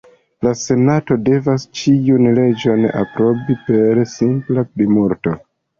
La Senato devas ĉiun leĝon aprobi per simpla plimulto.